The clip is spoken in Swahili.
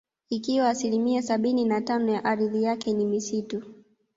Ikiwa asilimia sabini na tano ya ardhi yake ni misitu